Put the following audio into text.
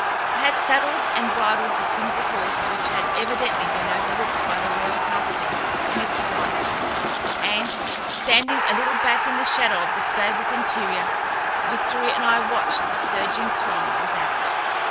I had saddled and bridled the single horse which had evidently been overlooked by the royal household in its flight, and, standing a little back in the shadow of the stable's interior, Victory and I watched the surging throng without.